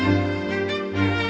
kenapa andin udah tidur sih